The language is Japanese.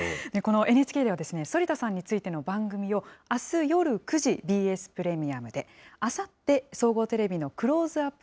ＮＨＫでは反田さんについての番組を、あす夜９時、ＢＳプレミアムで、あさって、総合テレビのクローズアップ